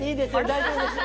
大丈夫ですよ。